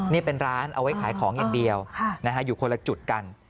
นี่เป็นร้านเอาไว้ขายของอย่างเดียวอยู่คนละจุดกัน